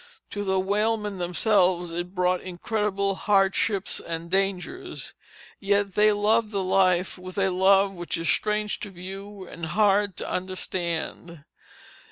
To the whalemen themselves it brought incredible hardships and dangers, yet they loved the life with a love which is strange to view and hard to understand.